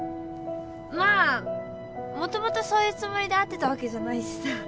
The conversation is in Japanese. まあもともとそういうつもりで会ってたわけじゃないしさ。